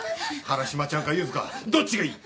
原島ちゃんかユズかどっちがいい？